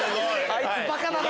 あいつバカだな！